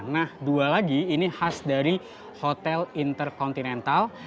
nah dua lagi ini khas dari hotel intercontinental